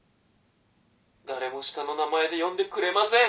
誰も下の名前で呼んでくれません。